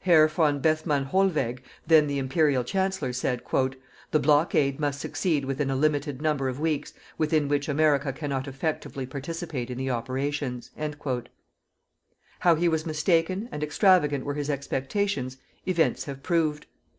Herr von Bethmann Hollweg, then the Imperial Chancellor, said: "_The Blockade must succeed within a limited number of weeks, within which America cannot effectively participate in the operations_." How he was mistaken, and extravagant were his expectations, events have proved.